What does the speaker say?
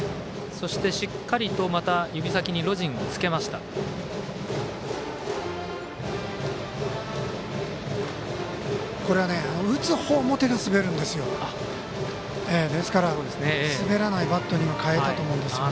しっかりと指先にロジンをつけました。